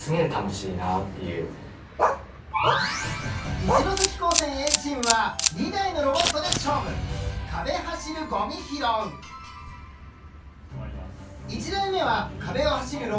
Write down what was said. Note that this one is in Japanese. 一関高専Ａチームは２台のロボットで勝負１台目は壁を走るロボットＺ−ｏｎｅ。